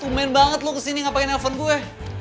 tumen banget lo kesini ngapain nelfon gue